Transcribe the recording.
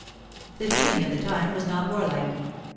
The feeling of the time was not warlike.